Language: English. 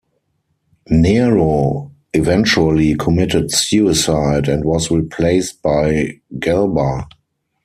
Nero eventually committed suicide and was replaced by Galba.